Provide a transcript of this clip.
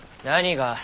何が？